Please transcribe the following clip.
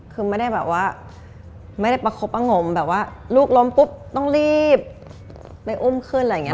คือไม่ได้แบบว่าไม่ได้ประคบประงมแบบว่าลูกล้มปุ๊บต้องรีบไปอุ้มขึ้นอะไรอย่างนี้